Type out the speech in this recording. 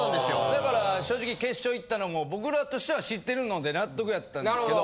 だから正直決勝いったのも僕らとしては知ってるので納得やったんですけど。